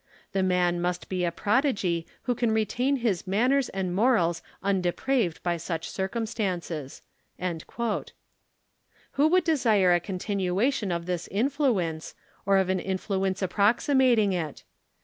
The man must be a prodigy who can retain his manners and morals undepraved by such circumstances." Who would desire a continuation of this influence, or of an influence approximating it?